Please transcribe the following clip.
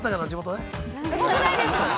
◆すごくないですか。